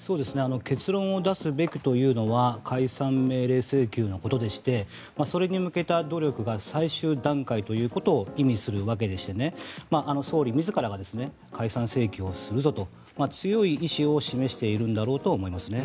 結論を出すべくというのは解散命令請求のことでしてそれに向けた最終の努力ということを意味するわけでして総理自らが解散請求をするぞと強い意思を示しているんだと思いますね。